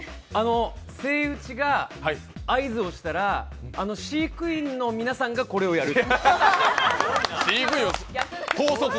セイウチが合図したら飼育員の皆さんがこれをやる。